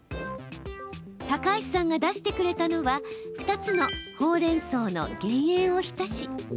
高橋さんが出してくれたのは２つのほうれんそうの減塩お浸し。